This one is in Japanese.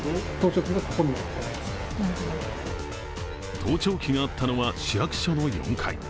盗聴器があったのは、市役所の４階。